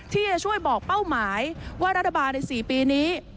ที่จะช่วยบอกเป้าหมายว่ารัฐบาลใน๔ปีนี้